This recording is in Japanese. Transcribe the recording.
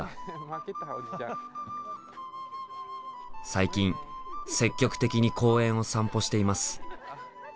最近積極的に公園を散歩しています。